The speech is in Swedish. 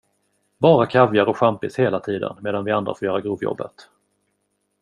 Bara kaviar och champis hela tiden, medan vi andra får göra grovjobbet.